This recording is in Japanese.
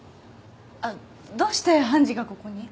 どうして判事がここに？